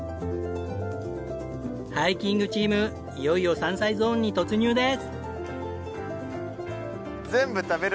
ハイキングチームいよいよ山菜ゾーンに突入です。